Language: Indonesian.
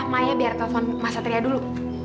maya biar telepon mas satria dulu